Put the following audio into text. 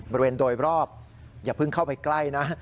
บริเวณโดยรอบอย่าเพิ่งเข้าไปใกล้นะ